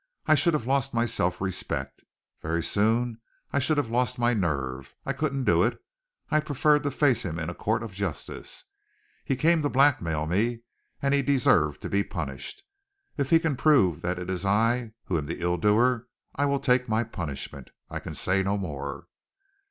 I should have lost my self respect. Very soon I should have lost my nerve. I couldn't do it. I preferred to face him in a court of justice. He came to blackmail me, and he deserved to be punished. If he can prove that it is I who am the ill doer, I will take my punishment. I can say no more."